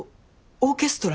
オーケストラ？